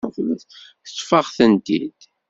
Teṭṭef-aɣ-tent-id.